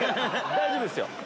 大丈夫ですよ！